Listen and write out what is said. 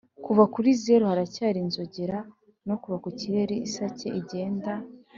kuva kuri zeru, haracyari inzogera; no kuva ikirere-isake igenda